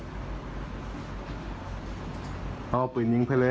พร้อมเอาปืนยิงไปเลย